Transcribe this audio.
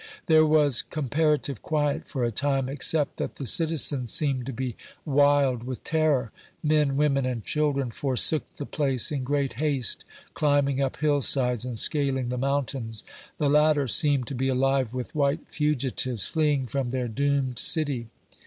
There was comparative quiet for a time, except that the citizens seemed to be wild with terror. Men, women and children forsook the place in great haste, climbing up hill sides and scaling the mountains. The latter seemed to be alive with white fugitives, fleeing from their doomed city.